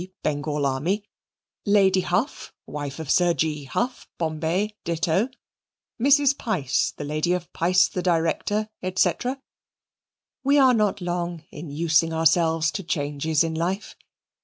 B., Bengal Army); Lady Huff, wife of Sir G. Huff, Bombay ditto; Mrs. Pice, the Lady of Pice the Director, &c. We are not long in using ourselves to changes in life.